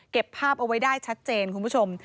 ภาพเอาไว้ได้ชัดเจนคุณผู้ชม